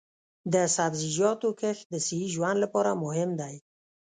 د سبزیجاتو کښت د صحي ژوند لپاره مهم دی.